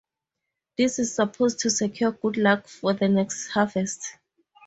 This is supposed to secure good luck for the next harvest.